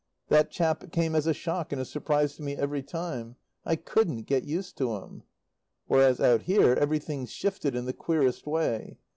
That chap came as a shock and a surprise to me every time. I couldn't get used to him. Whereas out here everything's shifted in the queerest way.